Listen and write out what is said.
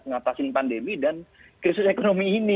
ngatasin pandemi dan krisis ekonomi ini